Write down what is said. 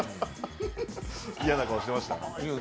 嫌な顔してました？